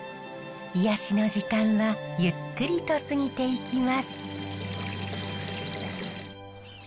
癒やしの時間はゆっくりと過ぎていきます。